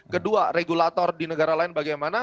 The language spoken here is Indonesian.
kedua regulator di negara lain bagaimana